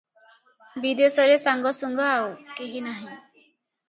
ବିଦେଶରେ ସାଙ୍ଗସୁଙ୍ଗା ଆଉ, କେହି ନାହିଁ ।